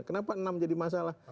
kenapa enam jadi masalah